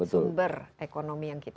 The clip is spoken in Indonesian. sumber ekonomi yang kita